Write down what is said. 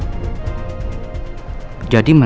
pak jaja itu dulu sebagai saksi dalam persidangan bu andin kan